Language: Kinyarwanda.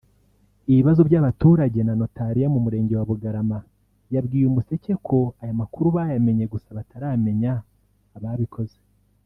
ibibazo by’abaturage na Notariya mu murenge wa Bugarama yabwiye Umuseke ko aya makuru bayamenye gusa bataramenya ababikoze